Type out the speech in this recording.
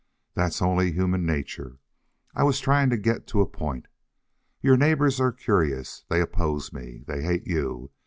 That's only human nature. I was trying to get to a point. Your neighbors are curious. They oppose me. They hate you.